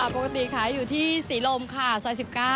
ปกติขายอยู่ที่สีลมค่ะซอยสิบเก้า